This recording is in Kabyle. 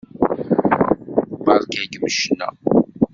Beṛka-kem ccna.